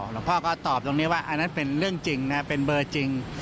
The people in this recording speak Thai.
หลวงพ่อก็ตอบตรงนี้ว่าอันนั้นเป็นเรื่องจริงนะเป็นเบอร์จริง